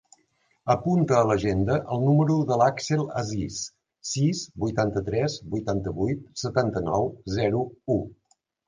Apunta a l'agenda el número de l'Àxel Aziz: sis, vuitanta-tres, vuitanta-vuit, setanta-nou, zero, u.